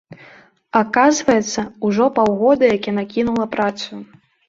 Аказваецца, ужо паўгода, як яна кінула працу!